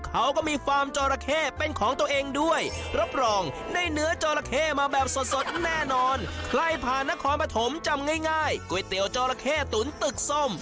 นักความประถมจำง่ายก๋วยเตี๋ยวจอละเข้ตุ๋นตึกส้ม